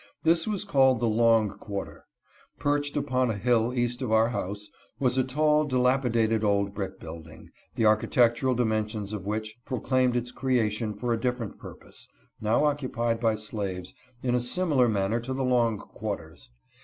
This was called the long quarter. Perched upon a hn\ east of our house, was a tall, dilapidated old brick building, the architectural dimensions of which proclaimed its creation 44 BEAUTIES OF THE GREAT HOUSE. for a different purpose, now occupied by slaves, in a si mi. lar manner to the long quarters.